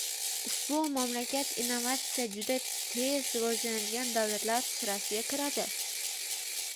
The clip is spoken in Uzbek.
Ushbu mamlakat innovatsiya juda tez rivojlanadigan davlatlar sirasiga kiradi.